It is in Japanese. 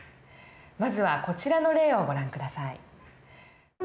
まずはこちらの例をご覧下さい。